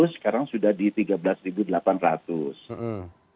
sekarang sudah di tiga belas delapan ratus